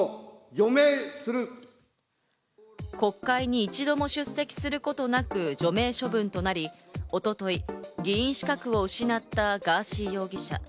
国会に一度も出席することなく除名処分となり、一昨日、議員資格を失ったガーシー容疑者。